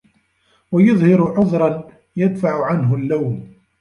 وَيُظْهِرُ عُذْرًا يَدْفَعُ عَنْهُ اللَّوْمَ